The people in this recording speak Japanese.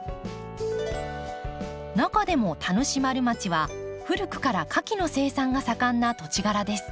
中でも田主丸町は古くから花きの生産が盛んな土地柄です。